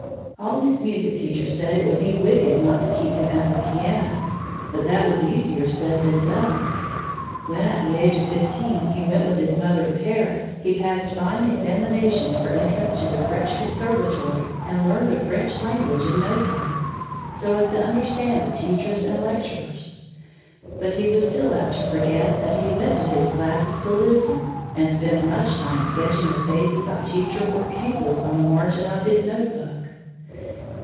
All his music teachers said it would be wicked not to keep him at the piano. But that was easier said than done. When, at the age of fifteen, he went with his mother to Paris, he passed fine examinations for entrance to the French Conservatory and learned the French language in no time, so as to understand the teachers and lecturers. But he was still apt to forget that he went to his classes to listen and spent much time sketching the faces of teacher or pupils on the margin of his note book.